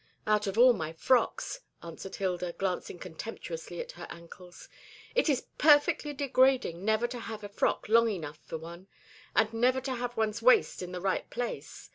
"Out of all my frocks," answered Hilda, glancing contemptuously at her ankles. "It is perfectly degrading never to have a frock long enough for one and never to have one's waist in the right place.